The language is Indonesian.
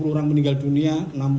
sepuluh orang meninggal dunia